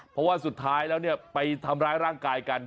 เพราะว่าสุดท้ายแล้วเนี่ยไปทำร้ายร่างกายกัน